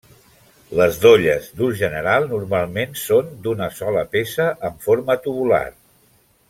Les dolles d'ús general normalment són d'una sola peça amb forma tubular.